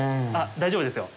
大丈夫ですよ。